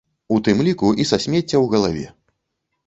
У тым ліку і са смецця ў галаве.